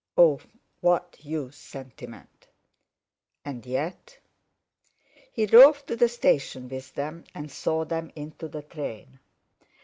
Of what use sentiment? And yet...! He drove to the station with them, and saw them into the train.